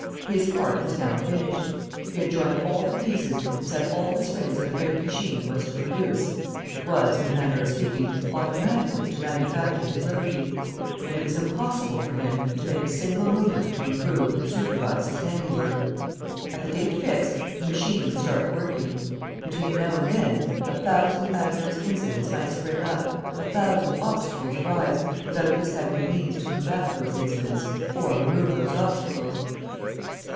His part was now finished. He had joined all the pieces and set all the springs of the great machine that was to produce, that was, in a manner of speaking, automatically to manufacture his liberty; and it was impossible for him to make a single movement to improve and supervise his handiwork. At the date fixed, the machine would start working. Between now and then, a thousand adverse incidents might spring up, a thousand obstacles arise, without his having the means to combat those incidents or remove those obstacles.